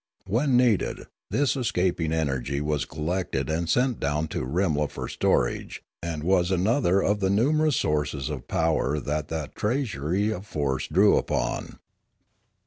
When needed, this escaping energy was collected and sent down to Rimla for storage and was another of the numerous sources of power that that treasury of force drew upon.